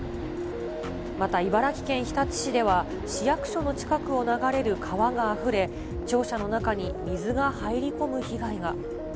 また茨城県日立市では、市役所の近くを流れる川があふれ、庁舎の中に水が入り込む被害が。